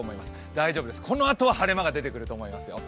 大丈夫です、このあとは晴れ間が出てくると思いますよ。